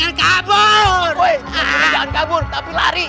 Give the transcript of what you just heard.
jangan kabur tapi lari